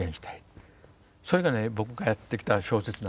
それがね僕がやってきた小説なんです。